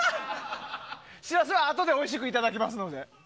シラスはあとでおいしくいただきますので。